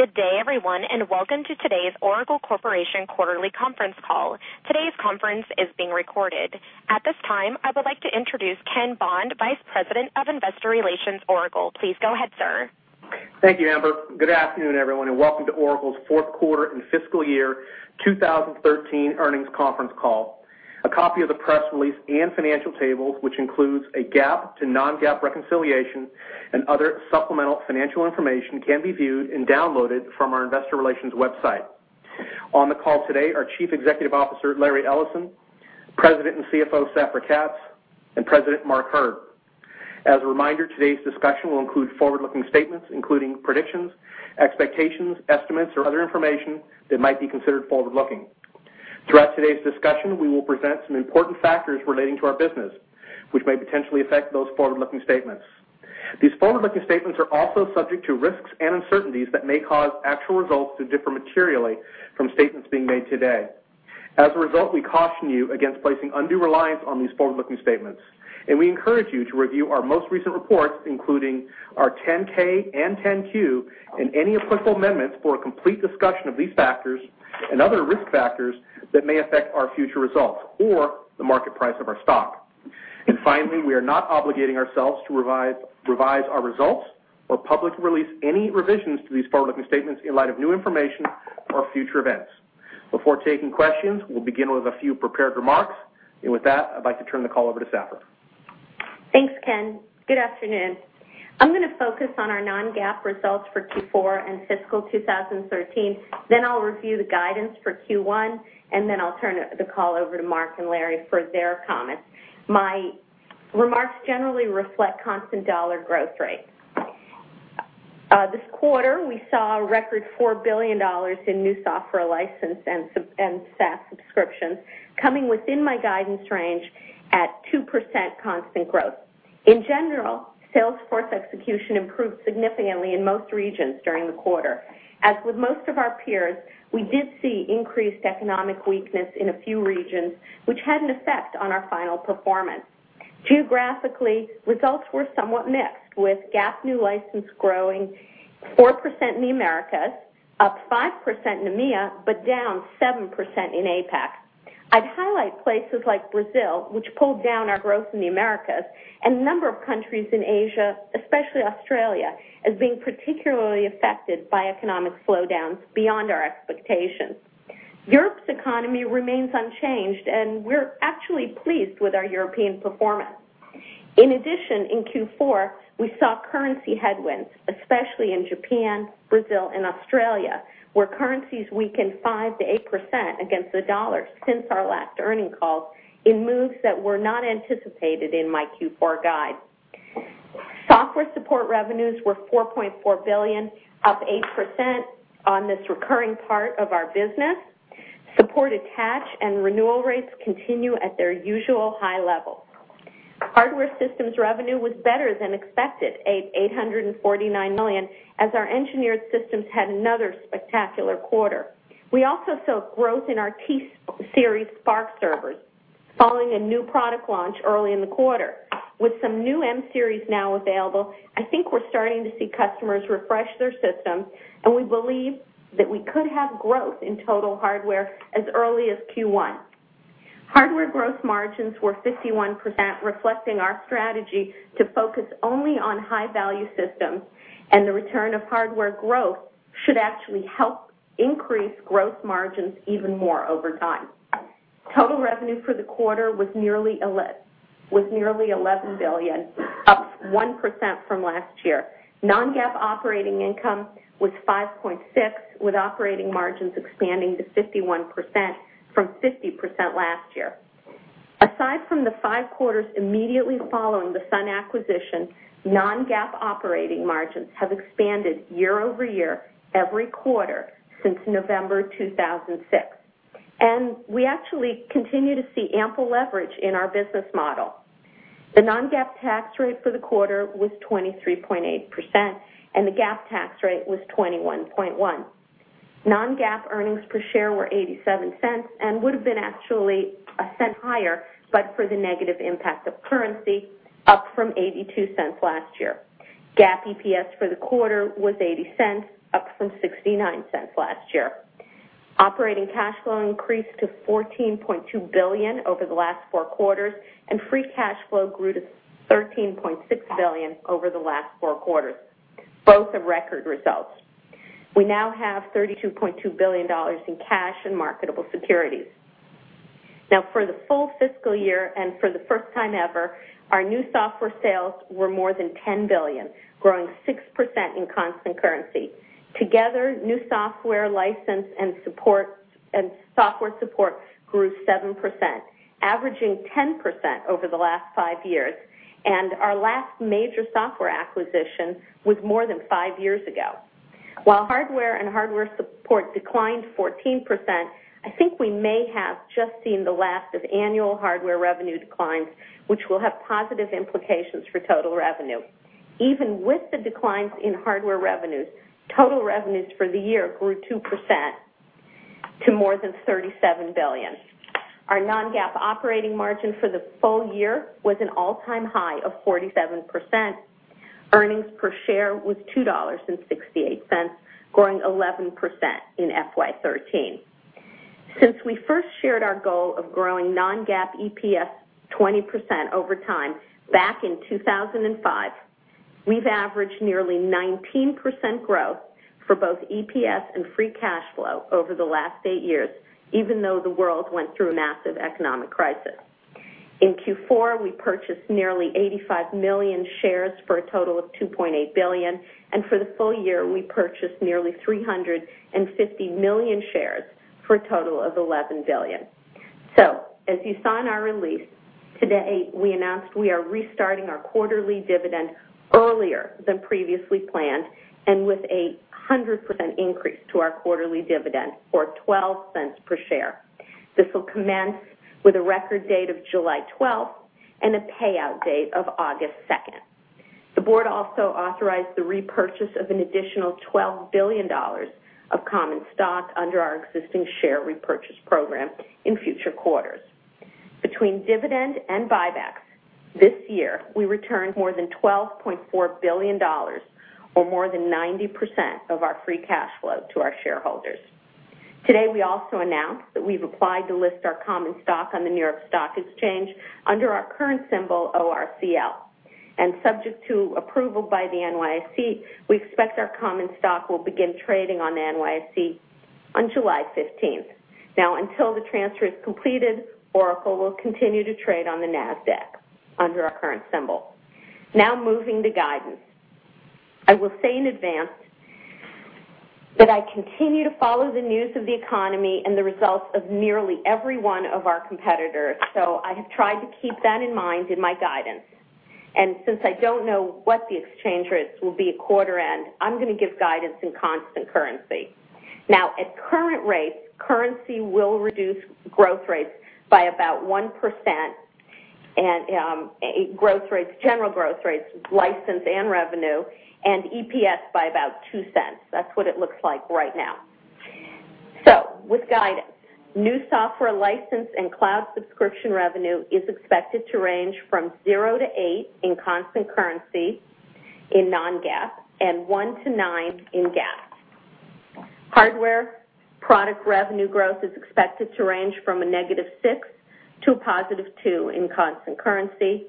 Good day, everyone, and welcome to today's Oracle Corporation quarterly conference call. Today's conference is being recorded. At this time, I would like to introduce Ken Bond, Vice President of Investor Relations, Oracle. Please go ahead, sir. Thank you, Amber. Good afternoon, everyone, and welcome to Oracle's fourth quarter and fiscal year 2013 earnings conference call. A copy of the press release and financial tables, which includes a GAAP to non-GAAP reconciliation and other supplemental financial information, can be viewed and downloaded from our investor relations website. On the call today are Chief Executive Officer, Larry Ellison; President and CFO, Safra Catz; and President, Mark Hurd. As a reminder, today's discussion will include forward-looking statements, including predictions, expectations, estimates, or other information that might be considered forward-looking. Throughout today's discussion, we will present some important factors relating to our business, which may potentially affect those forward-looking statements. These forward-looking statements are also subject to risks and uncertainties that may cause actual results to differ materially from statements being made today. As a result, we caution you against placing undue reliance on these forward-looking statements, and we encourage you to review our most recent reports, including our 10-K and 10-Q, and any applicable amendments, for a complete discussion of these factors and other risk factors that may affect our future results or the market price of our stock. Finally, we are not obligating ourselves to revise our results or publicly release any revisions to these forward-looking statements in light of new information or future events. Before taking questions, we'll begin with a few prepared remarks. With that, I'd like to turn the call over to Safra. Thanks, Ken. Good afternoon. I'm going to focus on our non-GAAP results for Q4 and fiscal 2013. I'll review the guidance for Q1, I'll turn the call over to Mark and Larry for their comments. My remarks generally reflect constant dollar growth rates. This quarter, we saw a record $4 billion in new software license and SaaS subscriptions, coming within my guidance range at 2% constant growth. In general, sales force execution improved significantly in most regions during the quarter. As with most of our peers, we did see increased economic weakness in a few regions, which had an effect on our final performance. Geographically, results were somewhat mixed, with GAAP new license growing 4% in the Americas, up 5% in EMEA, but down 7% in APAC. I'd highlight places like Brazil, which pulled down our growth in the Americas, and a number of countries in Asia, especially Australia, as being particularly affected by economic slowdowns beyond our expectations. Europe's economy remains unchanged, and we're actually pleased with our European performance. In addition, in Q4, we saw currency headwinds, especially in Japan, Brazil, and Australia, where currencies weakened 5%-8% against the dollar since our last earning call, in moves that were not anticipated in my Q4 guide. Software support revenues were $4.4 billion, up 8% on this recurring part of our business. Support attach and renewal rates continue at their usual high level. Hardware systems revenue was better than expected at $849 million, as our engineered systems had another spectacular quarter. We also saw growth in our T-series SPARC servers following a new product launch early in the quarter. With some new M-series now available, I think we're starting to see customers refresh their systems, and we believe that we could have growth in total hardware as early as Q1. Hardware growth margins were 51%, reflecting our strategy to focus only on high-value systems, and the return of hardware growth should actually help increase growth margins even more over time. Total revenue for the quarter was nearly $11 billion, up 1% from last year. non-GAAP operating income was $5.6 billion, with operating margins expanding to 51% from 50% last year. Aside from the five quarters immediately following the Sun acquisition, non-GAAP operating margins have expanded year-over-year every quarter since November 2006. We actually continue to see ample leverage in our business model. The non-GAAP tax rate for the quarter was 23.8%, and the GAAP tax rate was 21.1%. Non-GAAP earnings per share were $0.87 and would have been actually $0.01 higher but for the negative impact of currency, up from $0.82 last year. GAAP EPS for the quarter was $0.80, up from $0.69 last year. Operating cash flow increased to $14.2 billion over the last four quarters, and free cash flow grew to $13.6 billion over the last four quarters. Both are record results. We now have $32.2 billion in cash and marketable securities. Now, for the full fiscal year and for the first time ever, our new software sales were more than $10 billion, growing 6% in constant currency. Together, new software license and software support grew 7%, averaging 10% over the last five years, and our last major software acquisition was more than five years ago. While hardware and hardware support declined 14%, I think we may have just seen the last of annual hardware revenue declines, which will have positive implications for total revenue. Even with the declines in hardware revenues, total revenues for the year grew 2%. To more than $37 billion. Our non-GAAP operating margin for the full year was an all-time high of 47%. Earnings per share was $2.68, growing 11% in FY 2013. Since we first shared our goal of growing non-GAAP EPS 20% over time back in 2005, we've averaged nearly 19% growth for both EPS and free cash flow over the last eight years, even though the world went through a massive economic crisis. In Q4, we purchased nearly 85 million shares for a total of $2.8 billion, and for the full year, we purchased nearly 350 million shares for a total of $11 billion. As you saw in our release today, we announced we are restarting our quarterly dividend earlier than previously planned, with a 100% increase to our quarterly dividend, or $0.12 per share. This will commence with a record date of July 12th and a payout date of August 2nd. The board also authorized the repurchase of an additional $12 billion of common stock under our existing share repurchase program in future quarters. Between dividend and buybacks this year, we returned more than $12.4 billion, or more than 90% of our free cash flow to our shareholders. Today, we also announced that we've applied to list our common stock on the New York Stock Exchange under our current symbol, ORCL. Subject to approval by the NYSE, we expect our common stock will begin trading on the NYSE on July 15th. Until the transfer is completed, Oracle will continue to trade on the NASDAQ under our current symbol. Moving to guidance. I will say in advance that I continue to follow the news of the economy and the results of nearly every one of our competitors, I have tried to keep that in mind in my guidance. Since I don't know what the exchange rates will be at quarter end, I'm going to give guidance in constant currency. At current rates, currency will reduce growth rates by about 1%, general growth rates, license, and revenue, and EPS by about $0.02. That's what it looks like right now. With guidance, new software license and cloud subscription revenue is expected to range from 0%-8% in constant currency in non-GAAP, and 1%-9% in GAAP. Hardware product revenue growth is expected to range from -6% to +2% in constant currency.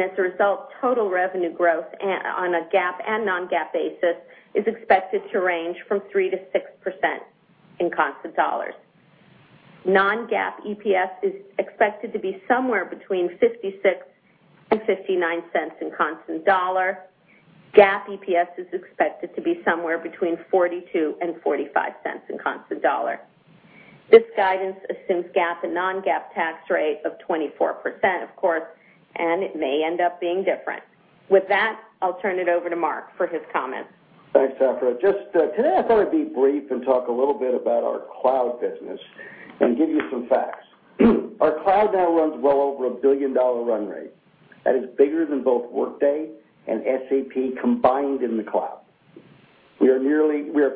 As a result, total revenue growth on a GAAP and non-GAAP basis is expected to range from 3%-6% in constant USD. Non-GAAP EPS is expected to be somewhere between $0.56 and $0.59 in constant USD. GAAP EPS is expected to be somewhere between $0.42 and $0.45 in constant USD. This guidance assumes GAAP and non-GAAP tax rate of 24%, of course, and it may end up being different. With that, I'll turn it over to Mark for his comments. Thanks, Safra. Today, I thought I'd be brief and talk a little bit about our cloud business and give you some facts. Our cloud now runs well over a billion-dollar run rate. That is bigger than both Workday and SAP combined in the cloud. We are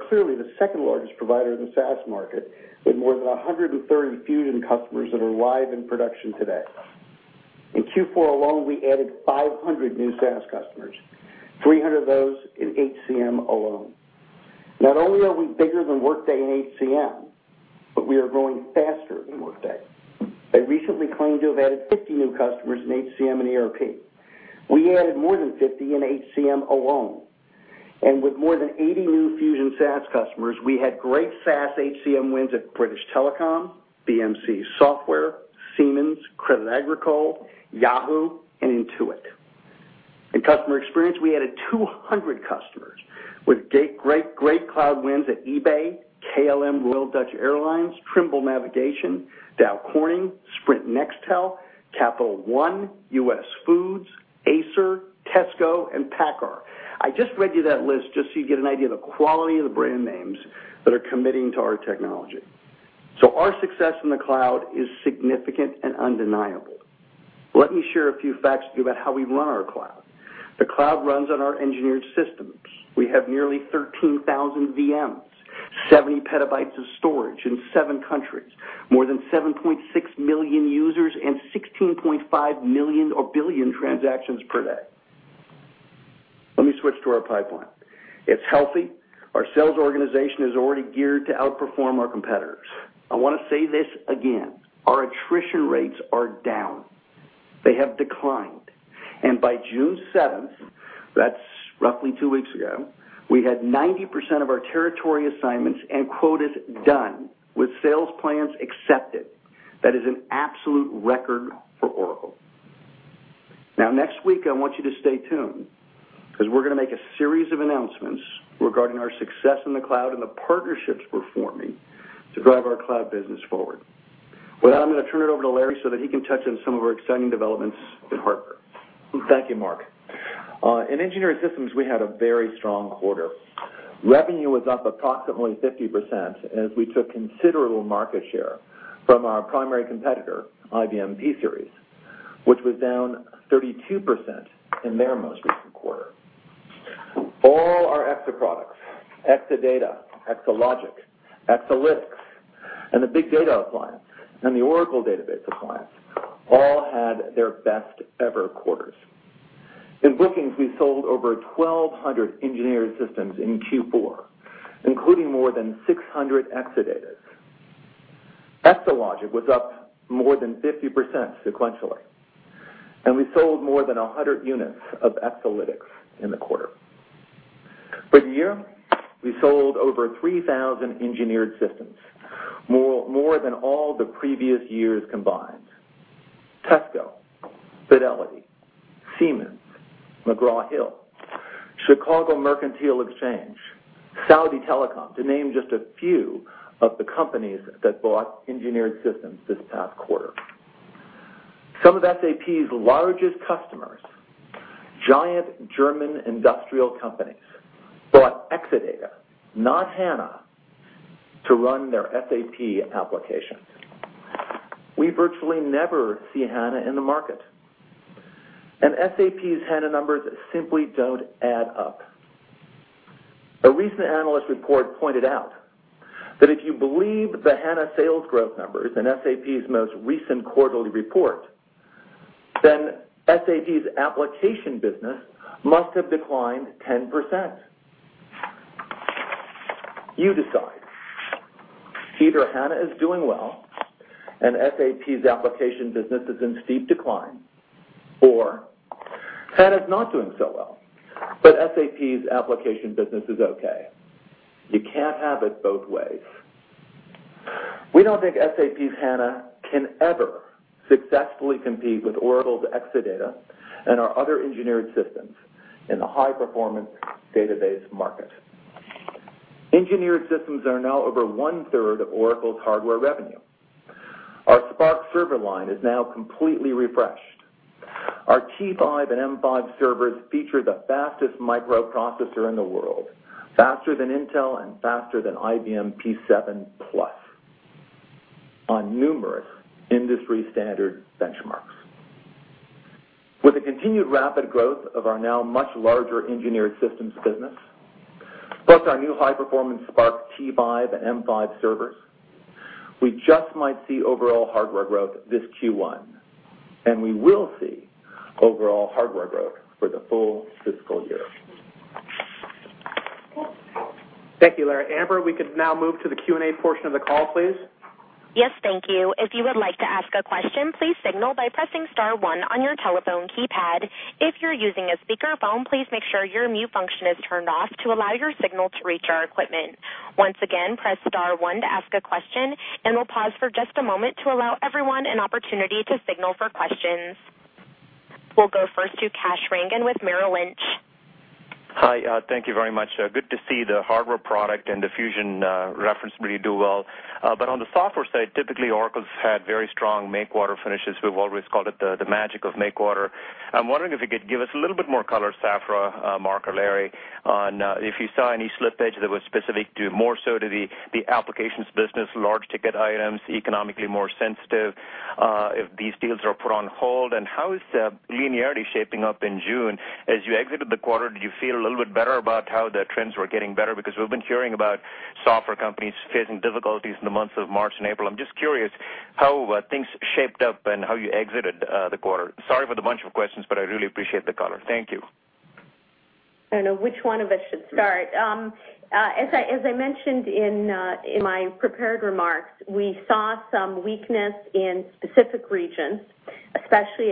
clearly the second-largest provider in the SaaS market, with more than 130 Fusion customers that are live in production today. In Q4 alone, we added 500 new SaaS customers, 300 of those in HCM alone. Not only are we bigger than Workday in HCM, but we are growing faster than Workday. They recently claimed to have added 50 new customers in HCM and ERP. We added more than 50 in HCM alone. With more than 80 new Fusion SaaS customers, we had great SaaS HCM wins at British Telecom, BMC Software, Siemens, Crédit Agricole, Yahoo, and Intuit. In customer experience, we added 200 customers with great cloud wins at eBay, KLM Royal Dutch Airlines, Trimble Navigation, Dow Corning, Sprint Nextel, Capital One, US Foods, Acer, Tesco, and PACCAR. I just read you that list just so you get an idea of the quality of the brand names that are committing to our technology. Our success in the cloud is significant and undeniable. Let me share a few facts with you about how we run our cloud. The cloud runs on our engineered systems. We have nearly 13,000 VMs, 70 petabytes of storage in seven countries, more than 7.6 million users, and 16.5 million or billion transactions per day. Let me switch to our pipeline. It's healthy. Our sales organization is already geared to outperform our competitors. I want to say this again. Our attrition rates are down. They have declined. By June 7th, that's roughly two weeks ago, we had 90% of our territory assignments and quotas done with sales plans accepted. That is an absolute record for Oracle. Next week, I want you to stay tuned because we're going to make a series of announcements regarding our success in the cloud and the partnerships we're forming to drive our cloud business forward. With that, I'm going to turn it over to Larry so that he can touch on some of our exciting developments in hardware. Thank you, Mark. In engineered systems, we had a very strong quarter. Revenue was up approximately 50% as we took considerable market share from our primary competitor, IBM pSeries, which was down 32% in their most recent quarter. All our Exa products, Exadata, Exalogic, Exalytics, and the Big Data Appliance, and the Oracle Database Appliance, all had their best ever quarters. In bookings, we sold over 1,200 engineered systems in Q4, including more than 600 Exadatas. Exalogic was up more than 50% sequentially, and we sold more than 100 units of Exalytics in the quarter. For the year, we sold over 3,000 engineered systems, more than all the previous years combined. Tesco, Fidelity, Siemens, McGraw Hill, Chicago Mercantile Exchange, Saudi Telecom, to name just a few of the companies that bought engineered systems this past quarter. Some of SAP's largest customers, giant German industrial companies, bought Exadata, not HANA, to run their SAP applications. We virtually never see HANA in the market, and SAP's HANA numbers simply don't add up. A recent analyst report pointed out that if you believe the HANA sales growth numbers in SAP's most recent quarterly report, then SAP's application business must have declined 10%. You decide. Either HANA is doing well and SAP's application business is in steep decline, or HANA's not doing so well, but SAP's application business is okay. You can't have it both ways. We don't think SAP's HANA can ever successfully compete with Oracle's Exadata and our other engineered systems in the high-performance database market. Engineered systems are now over one-third of Oracle's hardware revenue. Our SPARC server line is now completely refreshed. Our T5 and M5 servers feature the fastest microprocessor in the world, faster than Intel and faster than IBM POWER7+ on numerous industry-standard benchmarks. With the continued rapid growth of our now much larger engineered systems business, plus our new high-performance SPARC T5 and M5 servers, we just might see overall hardware growth this Q1, and we will see overall hardware growth for the full fiscal year. Thank you, Larry. Amber, we can now move to the Q&A portion of the call, please. Yes, thank you. If you would like to ask a question, please signal by pressing star one on your telephone keypad. If you're using a speakerphone, please make sure your mute function is turned off to allow your signal to reach our equipment. Once again, press star one to ask a question, and we'll pause for just a moment to allow everyone an opportunity to signal for questions. We'll go first to Kash Rangan with Merrill Lynch. Hi. Thank you very much. Good to see the hardware product and the Fusion reference really do well. On the software side, typically Oracle's had very strong May quarter finishes. We've always called it the magic of May quarter. I'm wondering if you could give us a little bit more color, Safra, Mark, or Larry, on if you saw any slippage that was specific to more so to the applications business, large ticket items, economically more sensitive, if these deals are put on hold. How is linearity shaping up in June? As you exited the quarter, did you feel a little bit better about how the trends were getting better? Because we've been hearing about software companies facing difficulties in the months of March and April. I'm just curious how things shaped up and how you exited the quarter. Sorry for the bunch of questions, I really appreciate the color. Thank you. I don't know which one of us should start. As I mentioned in my prepared remarks, we saw some weakness in specific regions, especially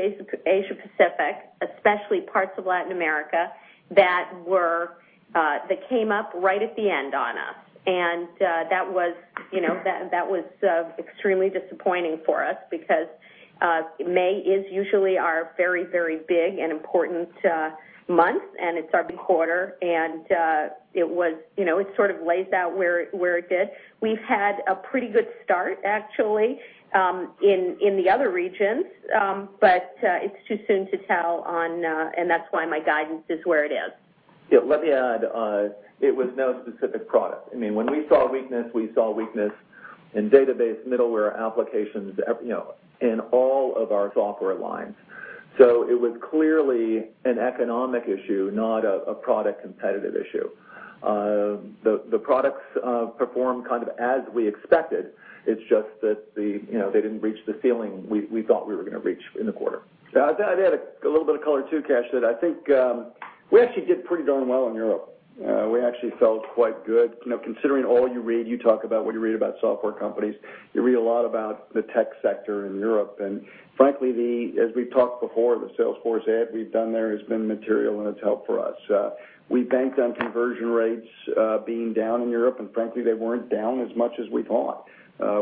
Asia Pacific, especially parts of Latin America, that came up right at the end on us. That was extremely disappointing for us because May is usually our very, very big and important month, and it's our big quarter, and it sort of lays out where it did. We've had a pretty good start, actually, in the other regions, it's too soon to tell, and that's why my guidance is where it is. Yeah, let me add, it was no specific product. When we saw weakness, we saw weakness in database, middleware applications, in all of our software lines. It was clearly an economic issue, not a product competitive issue. The products performed kind of as we expected. It's just that they didn't reach the ceiling we thought we were going to reach in the quarter. I'd add a little bit of color, too, Kash, that I think we actually did pretty darn well in Europe. We actually felt quite good. Considering all you read, you talk about what you read about software companies, you read a lot about the tech sector in Europe, frankly, as we've talked before, the Salesforce ad we've done there has been material and it's helped for us. We banked on conversion rates being down in Europe, frankly, they weren't down as much as we thought.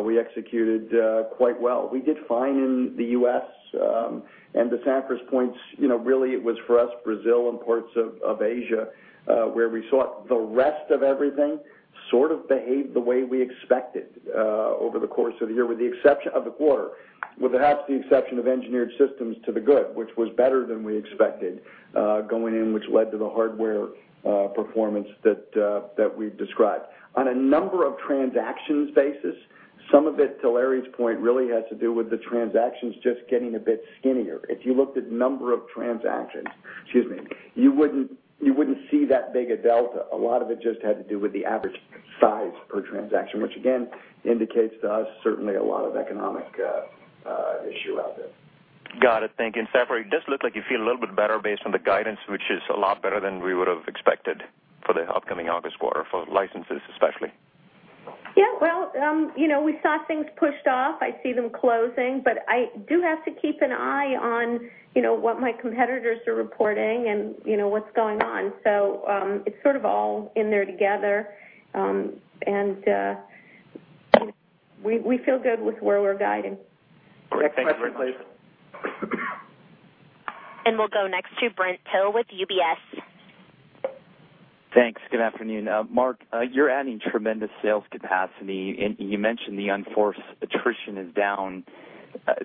We executed quite well. We did fine in the U.S. To Safra's points, really it was, for us, Brazil and parts of Asia where we saw the rest of everything sort of behave the way we expected over the course of the year with the exception of the quarter, with perhaps the exception of engineered systems to the good, which was better than we expected going in, which led to the hardware performance that we've described. On a number of transactions basis. Some of it, to Larry's point, really has to do with the transactions just getting a bit skinnier. If you looked at number of transactions, excuse me, you wouldn't see that big a delta. A lot of it just had to do with the average size per transaction, which again, indicates to us certainly a lot of economic issue out there. Got it. Thank you. Safra, it does look like you feel a little bit better based on the guidance, which is a lot better than we would've expected for the upcoming August quarter, for licenses especially. Yeah. Well, we saw things pushed off. I see them closing. I do have to keep an eye on what my competitors are reporting and what's going on. It's sort of all in there together, and we feel good with where we're guiding. Great. Thank you very much. Thanks. We'll go next to Brent Thill with UBS. Thanks. Good afternoon. Mark, you're adding tremendous sales capacity, you mentioned the unforced attrition is down.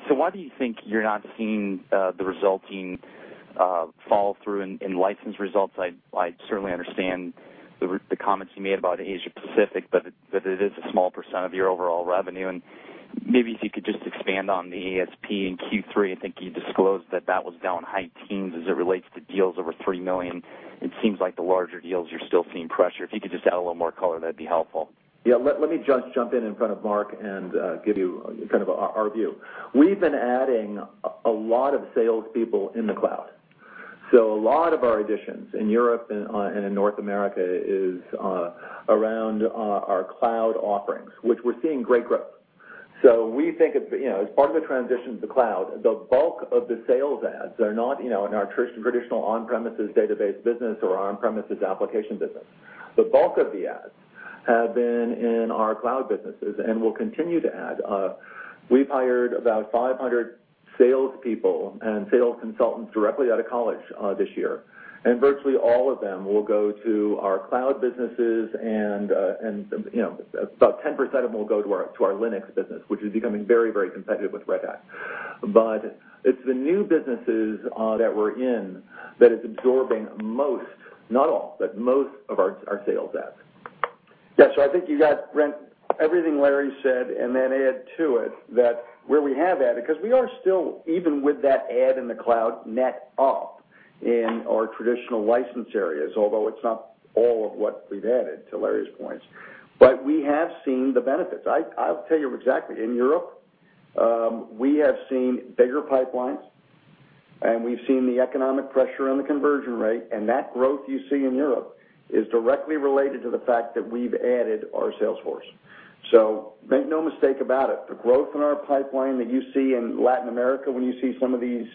Why do you think you're not seeing the resulting fall through in license results? I certainly understand the comments you made about Asia Pacific, but it is a small % of your overall revenue, and maybe if you could just expand on the ASP in Q3. I think you disclosed that was down high teens as it relates to deals over $3 million. It seems like the larger deals, you're still seeing pressure. If you could just add a little more color, that'd be helpful. Let me just jump in in front of Mark and give you our view. We've been adding a lot of salespeople in the cloud. A lot of our additions in Europe and in North America is around our cloud offerings, which we're seeing great growth. We think as part of the transition to the cloud, the bulk of the sales adds are not in our traditional on-premises database business or our on-premises application business. The bulk of the adds have been in our cloud businesses, and we'll continue to add. We've hired about 500 salespeople and sales consultants directly out of college this year, and virtually all of them will go to our cloud businesses and about 10% of them will go to our Linux business, which is becoming very competitive with Red Hat. It's the new businesses that we're in that is absorbing most, not all, but most of our sales adds. Yeah. I think you got, Brent, everything Larry said, and then add to it that where we have added, because we are still, even with that add in the cloud, net up in our traditional license areas, although it's not all of what we've added, to Larry's points. We have seen the benefits. I'll tell you exactly. In Europe, we have seen bigger pipelines, and we've seen the economic pressure on the conversion rate, and that growth you see in Europe is directly related to the fact that we've added our sales force. Make no mistake about it, the growth in our pipeline that you see in Latin America, when you see some of these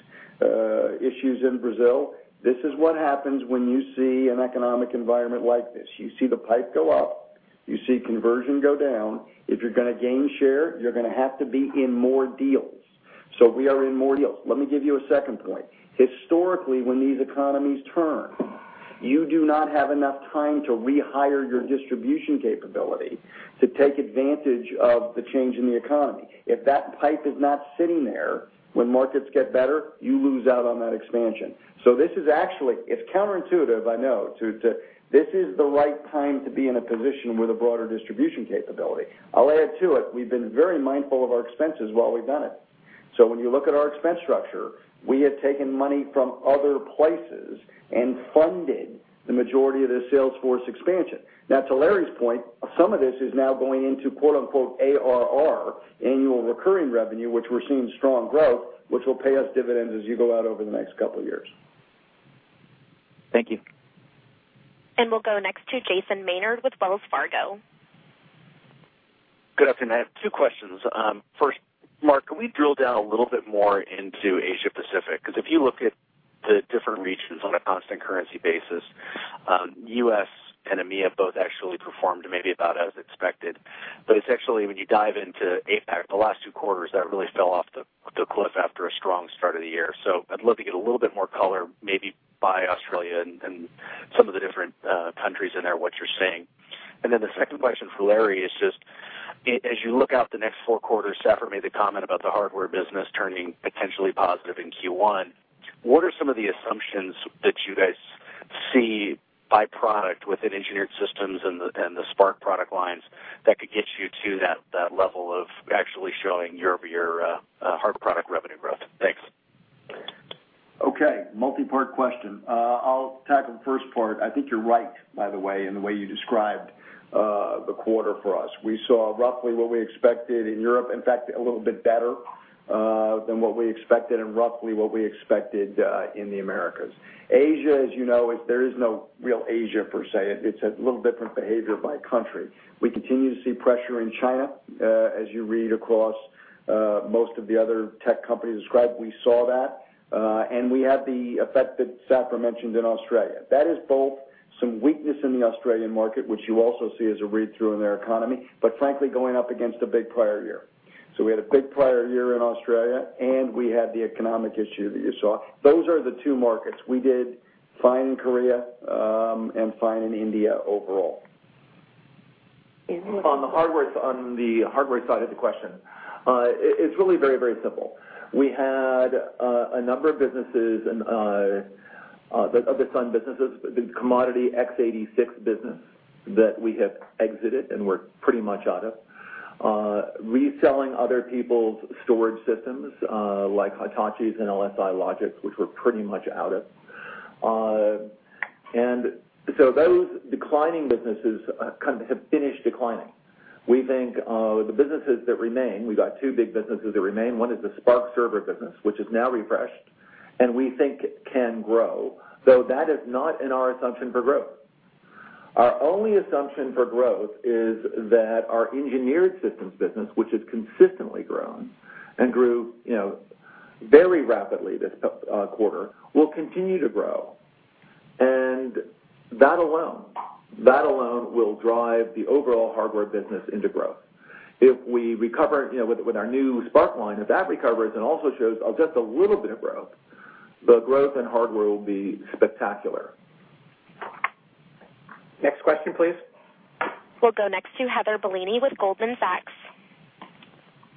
issues in Brazil, this is what happens when you see an economic environment like this. You see the pipe go up. You see conversion go down. If you're going to gain share, you're going to have to be in more deals. We are in more deals. Let me give you a second point. Historically, when these economies turn, you do not have enough time to rehire your distribution capability to take advantage of the change in the economy. If that pipe is not sitting there when markets get better, you lose out on that expansion. This is actually, it's counterintuitive, I know. This is the right time to be in a position with a broader distribution capability. I'll add to it, we've been very mindful of our expenses while we've done it. When you look at our expense structure, we have taken money from other places and funded the majority of this sales force expansion. To Larry's point, some of this is now going into ARR, annual recurring revenue, which we're seeing strong growth, which will pay us dividends as you go out over the next couple of years. Thank you. We'll go next to Jason Maynard with Wells Fargo. Good afternoon. I have two questions. First, Mark, can we drill down a little bit more into Asia Pacific? If you look at the different regions on a constant currency basis, U.S. and EMEA both actually performed maybe about as expected. It's actually when you dive into APAC, the last two quarters there really fell off the cliff after a strong start of the year. I'd love to get a little bit more color, maybe by Australia and some of the different countries in there, what you're seeing. The second question for Larry is just, as you look out the next four quarters, Safra made the comment about the hardware business turning potentially positive in Q1. What are some of the assumptions that you guys see by product within Engineered Systems and the SPARC product lines that could get you to that level of actually showing year-over-year hard product revenue growth? Thanks. Okay. Multi-part question. I'll tackle the first part. I think you're right, by the way, in the way you described the quarter for us. We saw roughly what we expected in Europe, in fact, a little bit better than what we expected, and roughly what we expected in the Americas. Asia, as you know, there is no real Asia per se. It's a little different behavior by country. We continue to see pressure in China. As you read across most of the other tech companies described, we saw that, and we had the effect that Safra mentioned in Australia. That is both some weakness in the Australian market, which you also see as a read-through in their economy, but frankly, going up against a big prior year. We had a big prior year in Australia, and we had the economic issue that you saw. Those are the two markets. We did fine in Korea, and fine in India overall. On the hardware side of the question, it's really very, very simple. We had a number of businesses, other fun businesses, the commodity x86 business that we have exited and we're pretty much out of. Reselling other people's storage systems, like Hitachi and LSI Logic, which we're pretty much out of. Those declining businesses have finished declining. We think the businesses that remain, we've got two big businesses that remain. One is the SPARC server business, which is now refreshed, and we think can grow, though that is not in our assumption for growth. Our only assumption for growth is that our Engineered Systems business, which has consistently grown and grew very rapidly this quarter, will continue to grow. That alone will drive the overall hardware business into growth. If we recover with our new SPARC line, if that recovers and also shows just a little bit of growth, the growth in hardware will be spectacular. Next question, please. We'll go next to Heather Bellini with Goldman Sachs.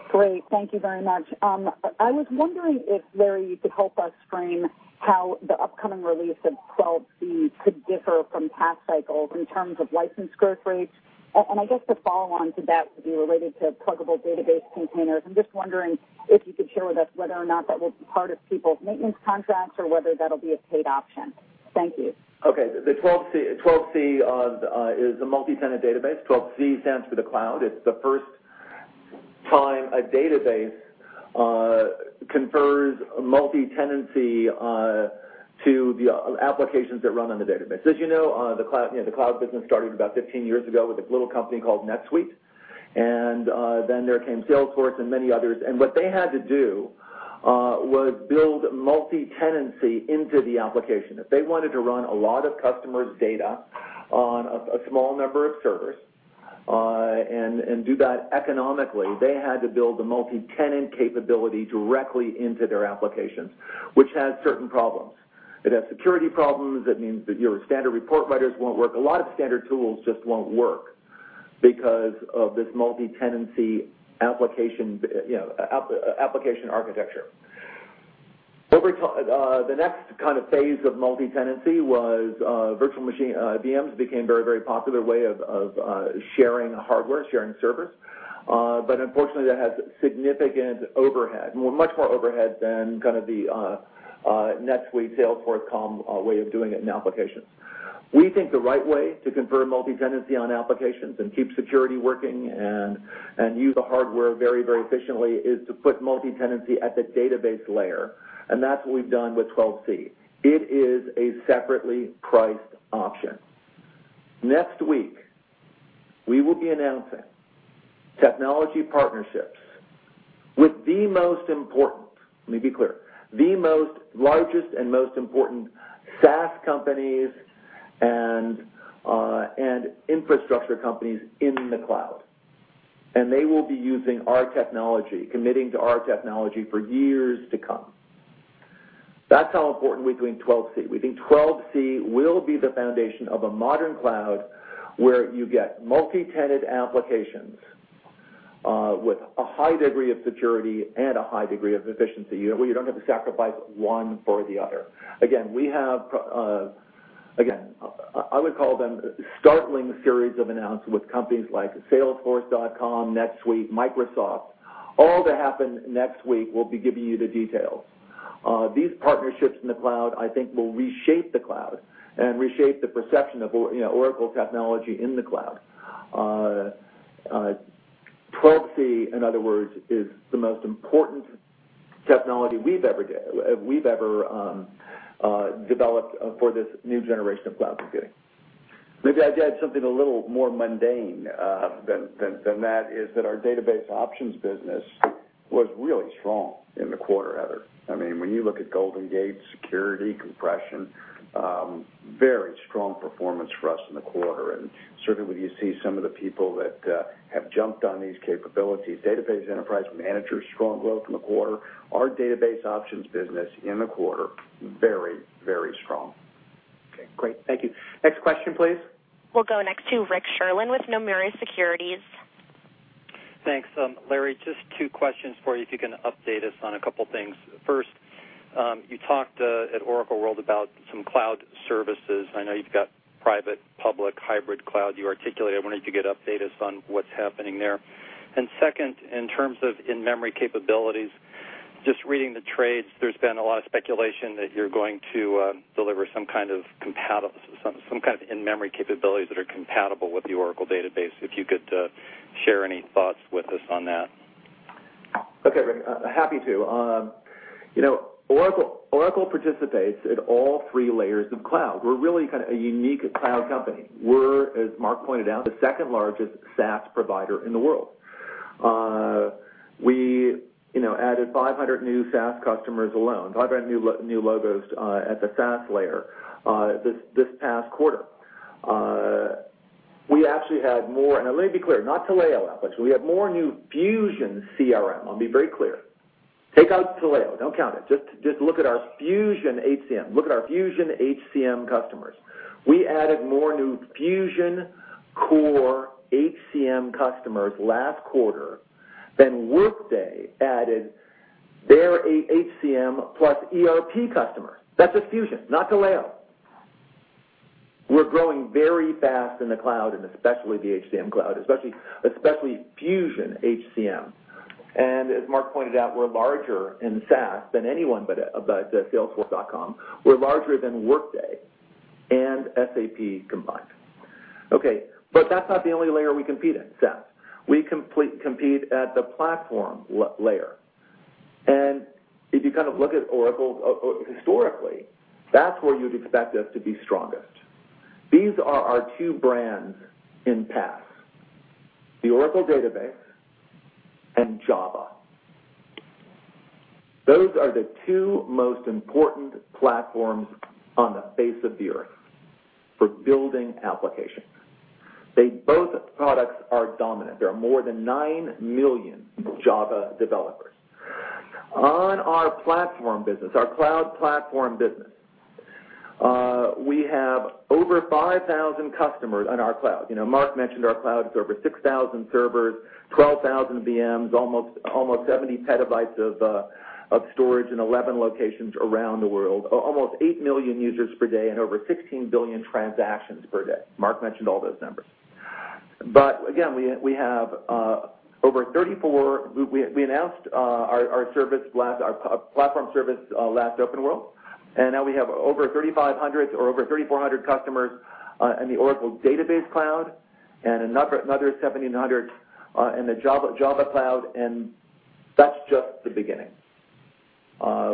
Great. Thank you very much. I was wondering if, Larry, you could help us frame how the upcoming release of 12c could differ from past cycles in terms of license growth rates. I guess the follow-on to that would be related to pluggable database containers. I'm just wondering if you could share with us whether or not that will be part of people's maintenance contracts or whether that'll be a paid option. Thank you. Okay. The 12c is a multi-tenant database. 12c stands for the cloud. It's the first time a database confers multi-tenancy to the applications that run on the database. As you know, the cloud business started about 15 years ago with a little company called NetSuite, then there came Salesforce and many others, what they had to do was build multi-tenancy into the application. If they wanted to run a lot of customers' data on a small number of servers and do that economically, they had to build the multi-tenant capability directly into their applications, which has certain problems. It has security problems. That means that your standard report writers won't work. A lot of standard tools just won't work because of this multi-tenancy application architecture. The next phase of multi-tenancy was virtual machine. VMs became very popular way of sharing hardware, sharing servers. Unfortunately, that has significant overhead, much more overhead than the NetSuite, Salesforce way of doing it in applications. We think the right way to confer multi-tenancy on applications and keep security working and use the hardware very efficiently is to put multi-tenancy at the database layer, and that's what we've done with 12c. It is a separately priced option. Next week, we will be announcing technology partnerships with the most important, let me be clear, the most largest and most important SaaS companies and infrastructure companies in the cloud. They will be using our technology, committing to our technology for years to come. That's how important we think 12c. We think 12c will be the foundation of a modern cloud where you get multi-tenant applications with a high degree of security and a high degree of efficiency, where you don't have to sacrifice one for the other. Again, I would call them startling series of announcements with companies like salesforce.com, NetSuite, Microsoft, all to happen next week. We'll be giving you the details. These partnerships in the cloud, I think will reshape the cloud and reshape the perception of Oracle technology in the cloud. 12c, in other words, is the most important technology we've ever developed for this new generation of cloud computing. Maybe I'd add something a little more mundane than that is that our database options business was really strong in the quarter, Heather. When you look at GoldenGate, security, compression, very strong performance for us in the quarter. Certainly, when you see some of the people that have jumped on these capabilities, Oracle Enterprise Manager, strong growth in the quarter. Our database options business in the quarter, very strong. Okay, great. Thank you. Next question, please. We'll go next to Rick Sherlund with Nomura Securities. Thanks. Larry, just two questions for you, if you can update us on a couple of things. First, you talked at Oracle OpenWorld about some cloud services. I know you've got private, public, hybrid cloud you articulated. I wonder if you could update us on what's happening there. Second, in terms of in-memory capabilities, just reading the trades, there's been a lot of speculation that you're going to deliver some kind of in-memory capabilities that are compatible with the Oracle Database, if you could share any thoughts with us on that. Okay, Rick. Happy to. Oracle participates in all three layers of cloud. We're really a unique cloud company. We're, as Mark pointed out, the second-largest SaaS provider in the world. We added 500 new SaaS customers alone, 500 new logos at the SaaS layer this past quarter. We actually had more, let me be clear, not to lay out, we had more new Fusion CRM. I'll be very clear. Take out Taleo, don't count it. Just look at our Fusion HCM customers. We added more new Fusion core HCM customers last quarter than Workday added their HCM plus ERP customer. That's just Fusion, not Taleo. We're growing very fast in the cloud and especially the HCM cloud, especially Fusion HCM. As Mark pointed out, we're larger in SaaS than anyone but salesforce.com. We're larger than Workday and SAP combined. Okay, that's not the only layer we compete in, SaaS. We compete at the platform layer. If you look at Oracle historically, that's where you'd expect us to be strongest. These are our two brands in PaaS, the Oracle Database and Java. Those are the two most important platforms on the face of the earth for building applications. Both products are dominant. There are more than 9 million Java developers. On our platform business, our cloud platform business, we have over 5,000 customers on our cloud. Mark mentioned our cloud is over 6,000 servers, 12,000 VMs, almost 70 petabytes of storage in 11 locations around the world, almost 8 million users per day, and over 16 billion transactions per day. Mark mentioned all those numbers. Again, we announced our platform service last Oracle OpenWorld, now we have over 3,400 customers in the Oracle Database Cloud and another 1,700 in the Java Cloud, and that's just the beginning.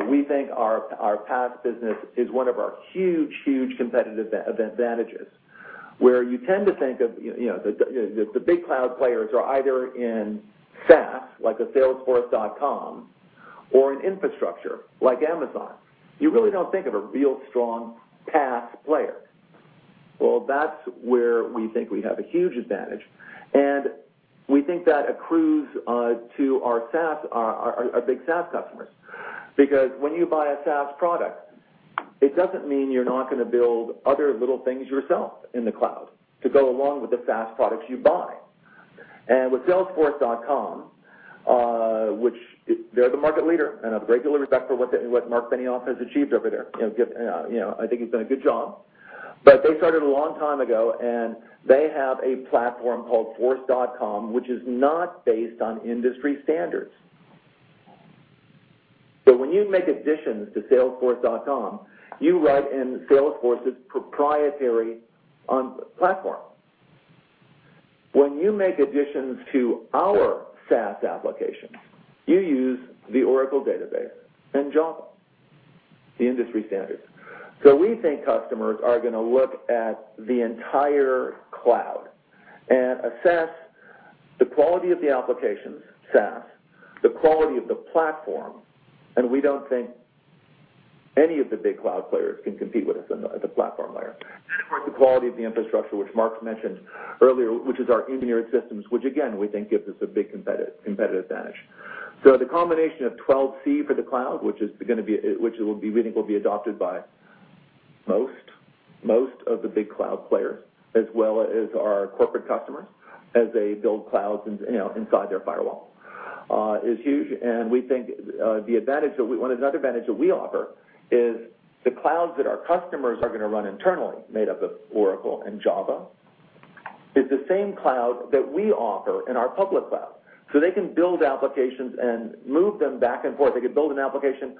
We think our PaaS business is one of our huge competitive advantages, where you tend to think of the big cloud players are either in SaaS, like a salesforce.com, or in infrastructure, like Amazon. You really don't think of a real strong PaaS player. That's where we think we have a huge advantage, and we think that accrues to our big SaaS customers. Because when you buy a SaaS product, it doesn't mean you're not going to build other little things yourself in the cloud to go along with the SaaS products you buy. With salesforce.com, they're the market leader, and I have regular respect for what Marc Benioff has achieved over there. I think he's done a good job. They started a long time ago, they have a platform called Force.com, which is not based on industry standards. When you make additions to salesforce.com, you write in Salesforce's proprietary platform. When you make additions to our SaaS applications, you use the Oracle Database and Java, the industry standards. We think customers are going to look at the entire cloud and assess the quality of the applications, SaaS, the quality of the platform, we don't think any of the big cloud players can compete with us in the platform layer. Of course, the quality of the infrastructure, which Mark mentioned earlier, which is our engineered systems, which again, we think gives us a big competitive advantage. The combination of 12c for the cloud, which we think will be adopted by most of the big cloud players, as well as our corporate customers as they build clouds inside their firewall, is huge. We think another advantage that we offer is the clouds that our customers are going to run internally, made up of Oracle and Java, is the same cloud that we offer in our public cloud. They can build applications and move them back and forth. They can build an application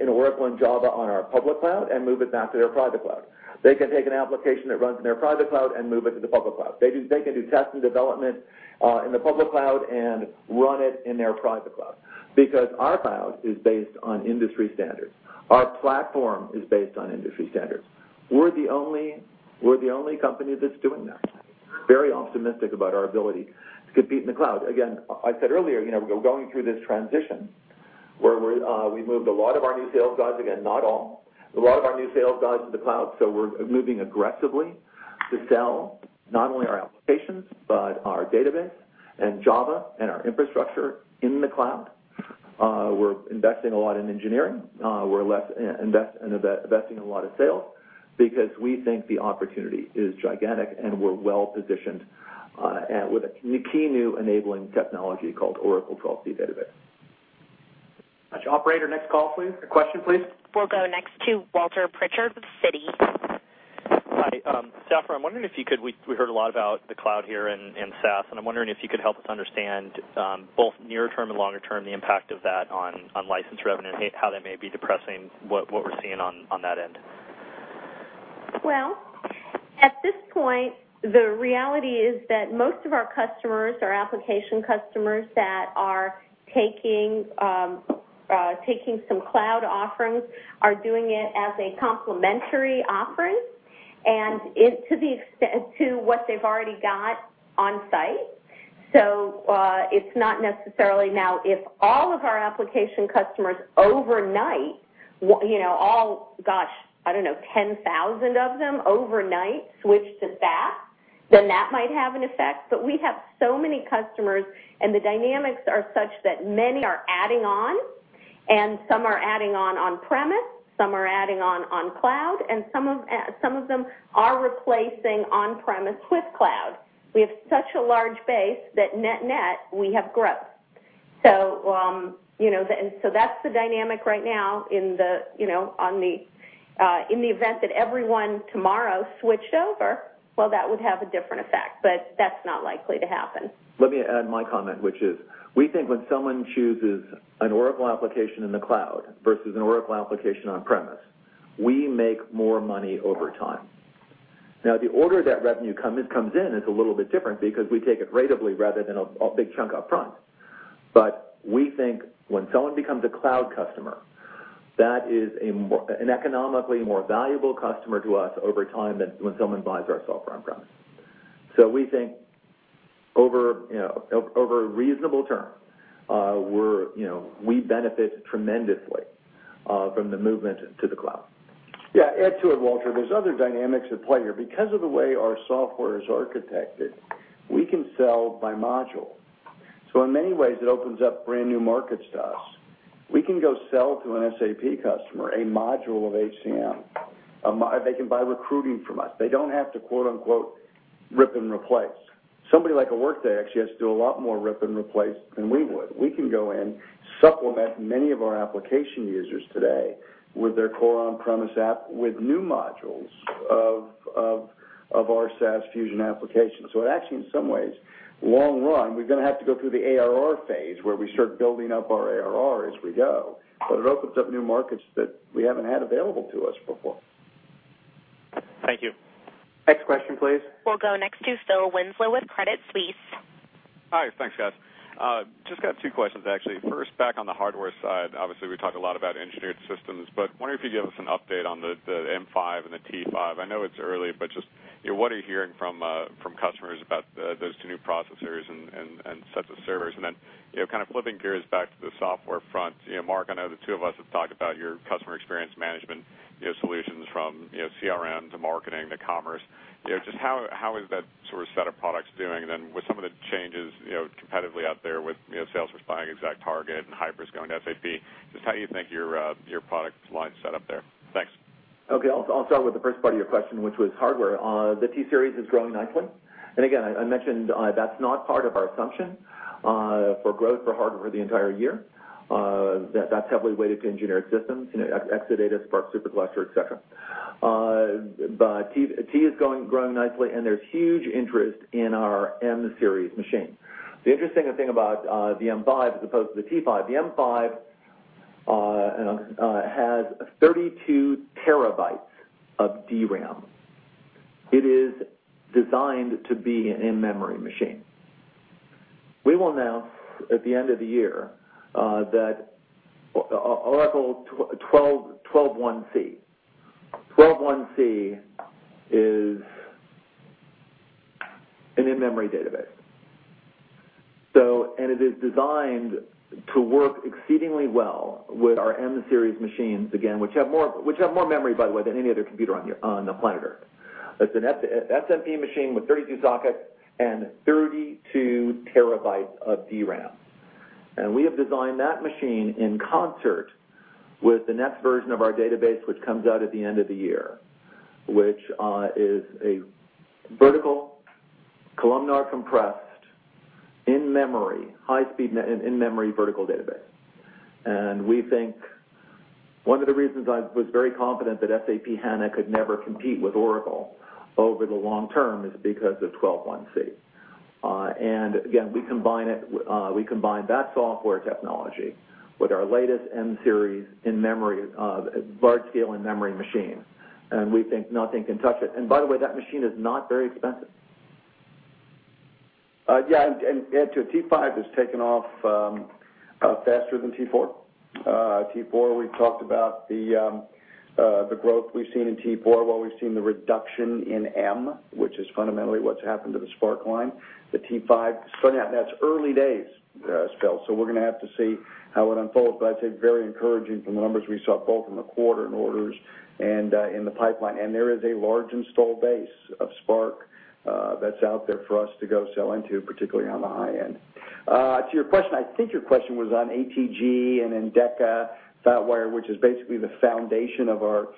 in Oracle and Java on our public cloud and move it back to their private cloud. They can take an application that runs in their private cloud and move it to the public cloud. They can do test and development in the public cloud and run it in their private cloud because our cloud is based on industry standards. Our platform is based on industry standards. We're the only company that's doing that. Very optimistic about our ability to compete in the cloud. Again, I said earlier, we're going through this transition where we've moved a lot of our new sales guys, again, not all, to the cloud. We're moving aggressively to sell not only our applications, but our database and Java and our infrastructure in the cloud. We're investing a lot in engineering. We're investing a lot in sales because we think the opportunity is gigantic, and we're well-positioned with a key new enabling technology called Oracle 12c Database. Operator, next call, please. A question, please. We'll go next to Walter Pritchard with Citi. Hi. Safra, we heard a lot about the cloud here and SaaS. I'm wondering if you could help us understand both near-term and longer-term the impact of that on licensed revenue, how that may be depressing what we're seeing on that end. Well, at this point, the reality is that most of our customers or application customers that are taking some cloud offerings are doing it as a complementary offering to what they've already got on-site. It's not necessarily now if all of our application customers overnight, all, gosh, I don't know, 10,000 of them overnight switch to SaaS. That might have an effect. We have so many customers, and the dynamics are such that many are adding on, and some are adding on on-premise, some are adding on on cloud, and some of them are replacing on-premise with cloud. We have such a large base that net-net, we have growth. That's the dynamic right now in the event that everyone tomorrow switched over. Well, that would have a different effect, but that's not likely to happen. Let me add my comment, which is, we think when someone chooses an Oracle application in the cloud versus an Oracle application on-premise, we make more money over time. Now, the order that revenue comes in is a little bit different because we take it ratably rather than a big chunk up front. We think when someone becomes a cloud customer, that is an economically more valuable customer to us over time than when someone buys our software on-premise. We think over a reasonable term, we benefit tremendously from the movement to the cloud. Yeah. Add to it, Walter. There's other dynamics at play here. Because of the way our software is architected, we can sell by module. In many ways, it opens up brand-new markets to us. We can go sell to an SAP customer a module of HCM. They can buy recruiting from us. They don't have to quote-unquote, "rip and replace." Somebody like a Workday actually has to do a lot more rip and replace than we would. We can go in, supplement many of our application users today with their core on-premise app with new modules of our SaaS Fusion application. It actually, in some ways, long run, we're going to have to go through the ARR phase, where we start building up our ARR as we go. It opens up new markets that we haven't had available to us before. Thank you. Next question, please. We'll go next to Philip Winslow with Credit Suisse. Hi. Thanks, guys. Just got two questions, actually. First, back on the hardware side, obviously, we talk a lot about engineered systems, wondering if you give us an update on the M5 and the T5. I know it's early, just what are you hearing from customers about those two new processors and sets of servers? Kind of flipping gears back to the software front, Mark, I know the two of us have talked about your customer experience management solutions from CRM to marketing to commerce. Just how is that sort of set of products doing, with some of the changes competitively out there with Salesforce buying ExactTarget and Hybris going to SAP, just how you think your product line's set up there? Thanks. Okay. I'll start with the first part of your question, which was hardware. The T-series is growing nicely. Again, I mentioned that's not part of our assumption for growth for hardware for the entire year. That's heavily weighted to engineered systems, Exadata, SPARC SuperCluster, et cetera. T is growing nicely, and there's huge interest in our M-series machine. The interesting thing about the M5 as opposed to the T5, the M5 has 32 terabytes of DRAM. It is designed to be an in-memory machine. We will announce at the end of the year that Oracle Database 12c. 12c is an in-memory database. It is designed to work exceedingly well with our M-series machines, again, which have more memory, by the way, than any other computer on the planet Earth. It's an SMP machine with 32 sockets and 32 terabytes of DRAM. We have designed that machine in concert with the next version of our database, which comes out at the end of the year, which is a vertical columnar-compressed, in-memory, high-speed in-memory vertical database. We think one of the reasons I was very confident that SAP HANA could never compete with Oracle over the long term is because of 12c. Again, we combine that software technology with our latest M-series large-scale in-memory machine, and we think nothing can touch it. By the way, that machine is not very expensive. Yeah. To add to it, T5 has taken off faster than T4. T4, we've talked about the growth we've seen in T4 while we've seen the reduction in M, which is fundamentally what's happened to the SPARC line. The T5, that's early days still, so we're going to have to see how it unfolds, but I'd say very encouraging from the numbers we saw both in the quarter in orders and in the pipeline. There is a large install base of SPARC that's out there for us to go sell into, particularly on the high end. To your question, I think your question was on Oracle ATG Commerce and Oracle Endeca, FatWire, which is basically the foundation of our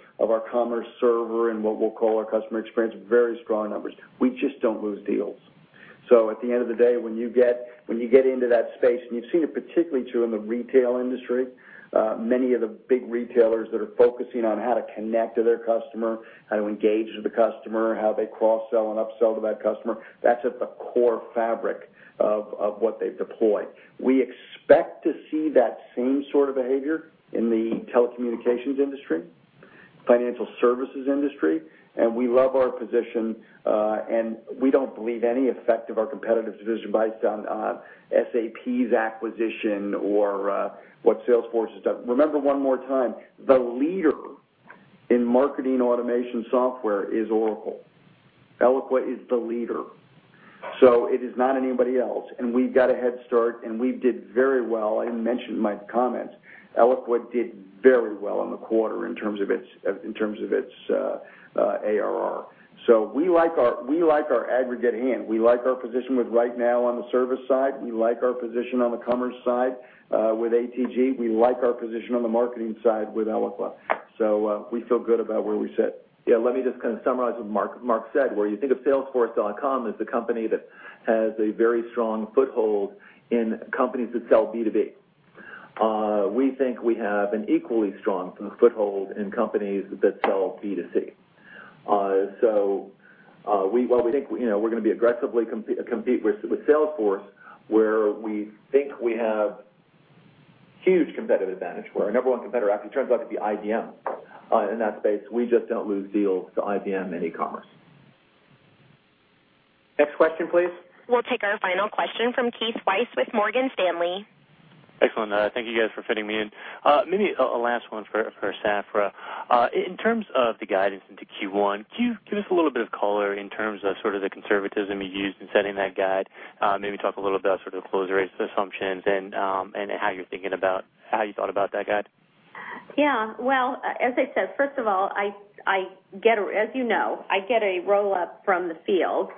commerce server and what we'll call our customer experience. Very strong numbers. We just don't lose deals. At the end of the day, when you get into that space, and you've seen it particularly, too, in the retail industry, many of the big retailers that are focusing on how to connect to their customer, how to engage with the customer, how they cross-sell and up-sell to that customer, that's at the core fabric of what they've deployed. We expect to see that same sort of behavior in the telecommunications industry, financial services industry, and we love our position, and we don't believe any effect of our competitive division buys down SAP's acquisition or what Salesforce has done. Remember one more time, the leader in marketing automation software is Oracle. Oracle Eloqua is the leader. It is not anybody else. We've got a head start, and we did very well. I mentioned in my comments, Oracle Eloqua did very well in the quarter in terms of its ARR. We like our aggregate hand. We like our position with Oracle RightNow on the service side. We like our position on the commerce side with ATG. We like our position on the marketing side with Oracle Eloqua. We feel good about where we sit. Let me just kind of summarize what Mark said, where you think of salesforce.com as a company that has a very strong foothold in companies that sell B2B. We think we have an equally strong foothold in companies that sell B2C. While we think we're going to be aggressively compete with Salesforce, where we think we have huge competitive advantage, where our number one competitor actually turns out to be IBM in that space. We just don't lose deals to IBM in e-commerce. Next question, please. We'll take our final question from Keith Weiss with Morgan Stanley. Excellent. Thank you guys for fitting me in. Maybe a last one for Safra. In terms of the guidance into Q1, can you give us a little bit of color in terms of sort of the conservatism you used in setting that guide? Maybe talk a little bit about sort of the close rates, assumptions, and how you thought about that guide. Yeah. Well, as I said, first of all, as you know, I get a roll-up from the field,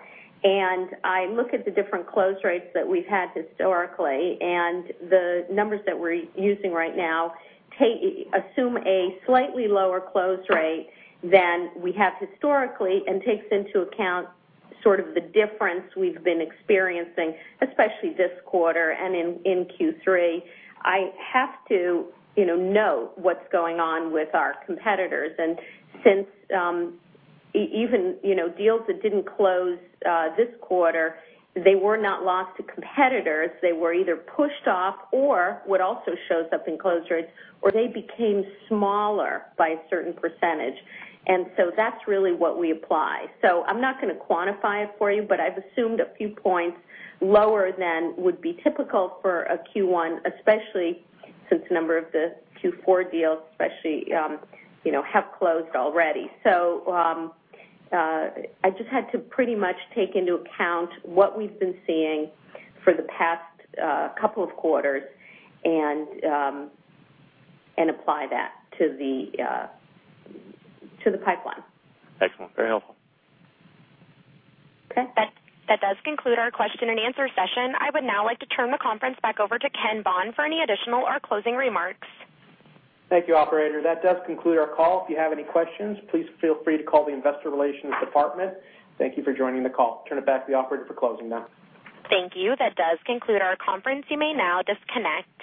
I look at the different close rates that we've had historically, the numbers that we're using right now assume a slightly lower close rate than we have historically and takes into account sort of the difference we've been experiencing, especially this quarter and in Q3. I have to know what's going on with our competitors. Since even deals that didn't close this quarter, they were not lost to competitors. They were either pushed off or what also shows up in close rates, or they became smaller by a certain %. That's really what we apply. I'm not going to quantify it for you, but I've assumed a few points lower than would be typical for a Q1, especially since a number of the Q4 deals especially have closed already. I just had to pretty much take into account what we've been seeing for the past couple of quarters and apply that to the pipeline. Excellent. Very helpful. Okay, that does conclude our question and answer session. I would now like to turn the conference back over to Ken Bond for any additional or closing remarks. Thank you, operator. That does conclude our call. If you have any questions, please feel free to call the investor relations department. Thank you for joining the call. Turn it back to the operator for closing now. Thank you. That does conclude our conference. You may now disconnect.